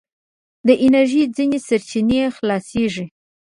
د انرژي ځينې سرچينې خلاصیږي.